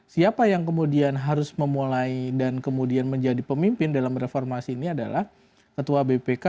siapa yang kemudian harus memulai dan kemudian menjadi pemimpin dalam reformasi ini adalah ketua bpk